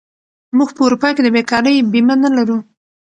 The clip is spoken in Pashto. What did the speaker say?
موږ په اروپا کې د بېکارۍ بیمه نه لرو.